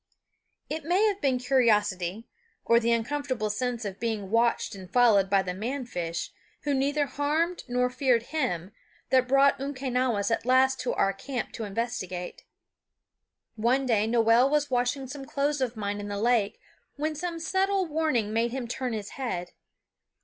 It may have been curiosity, or the uncomfortable sense of being watched and followed by the man fish, who neither harmed nor feared him, that brought Umquenawis at last to our camp to investigate. One day Noel was washing some clothes of mine in the lake when some subtle warning made him turn his head.